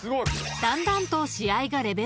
［だんだんと試合がレベルダウン。